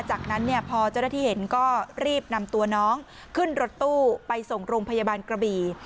จากนั้นพอเจ้าหน้าที่เห็นก็รีบนำตัวน้องขึ้นรถตู้ไปส่งโรงพยาบาลกระบี่